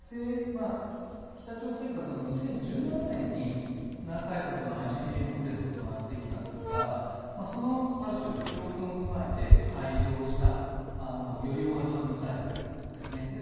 北朝鮮が２０１７年に何回かＩＣＢＭのテストを行ってきたんですがそのある種教訓を踏まえて改良したより大型のミサイルですね。